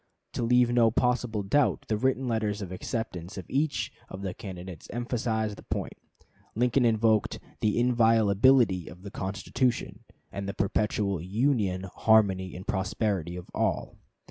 To leave no possible doubt, the written letters of acceptance of each of the candidates emphasized the point. Lincoln invoked "the inviolability of the Constitution, and the perpetual union, harmony, and prosperity of all."